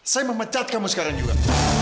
saya memecat kamu sekarang juga